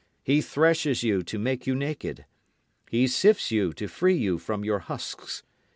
He threshes you to make you naked. He sifts you to free you from your husks.